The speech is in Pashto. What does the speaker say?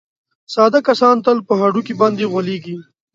ساده کسان تل په هډوکي باندې غولېږي.